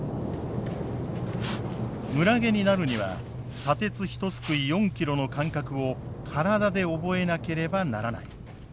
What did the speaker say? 村下になるには砂鉄ひとすくい４キロの感覚を体で覚えなければならない。